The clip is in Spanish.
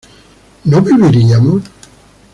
¿no viviríamos?